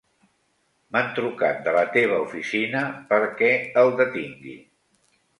M'han trucat de la teva oficina perquè el detingui.